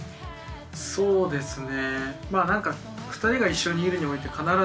そうですね。